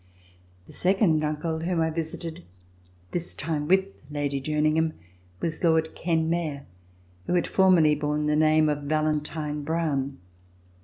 The second uncle whom I visited, this time with Lady Jerningham, was Lord Kenmare who had formerly borne the name of Valentine Browne.